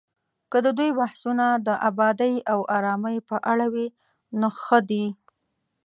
که د دوی بحثونه د ابادۍ او ارامۍ په اړه وي، نو ښه دي